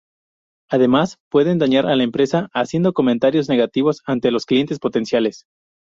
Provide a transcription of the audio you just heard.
Además, pueden dañar a la empresa, haciendo comentarios negativos ante los clientes potenciales.